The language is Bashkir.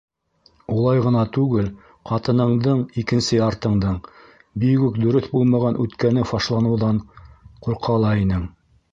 Улай ғына түгел, ҡатыныңдың - икенсе яртыңдың, бигүк дөрөҫ булмаған үткәне фашланыуҙан ҡурҡа ла инең.